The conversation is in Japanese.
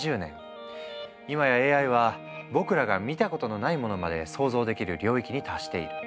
今やＡＩは僕らが見たことのないものまで創造できる領域に達している。